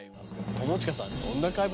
友近さん。